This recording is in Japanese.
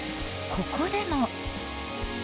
ここでも。